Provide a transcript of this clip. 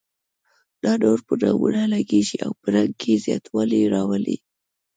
دا نور په نمونه لګیږي او په رنګ کې زیاتوالی راولي.